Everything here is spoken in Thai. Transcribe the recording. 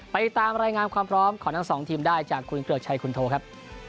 ไปตามรายงานความพร้อมของทั้งสองทีมได้จากคุณเกลือกชัยคุณโทครับ